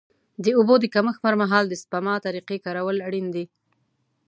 د اوبو د کمښت پر مهال د سپما طریقې کارول اړین دي.